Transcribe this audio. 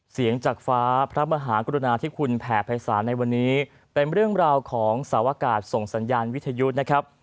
จากฟ้าพระมหากรุณาที่คุณแผ่ภัยศาลในวันนี้เป็นเรื่องราวของสาวกาศส่งสัญญาณวิทยุนะครับ